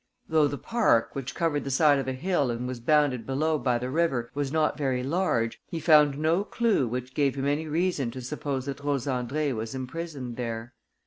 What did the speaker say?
Though the park, which covered the side of a hill and was bounded below by the river, was not very large, he found no clue which gave him any reason to suppose that Rose Andrée was imprisoned there.